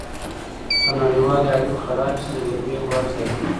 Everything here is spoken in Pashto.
که نړيوالې اړيکې خرابې سي د جګړې ګواښ زياتېږي.